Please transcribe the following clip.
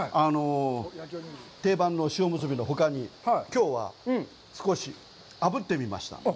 定番の塩むすびのほかに、きょうは少しあぶってみました。